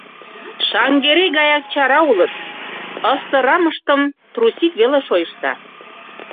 Шаҥгерей гаяк чара улыт, ыстырамыштым трусик веле шойышта.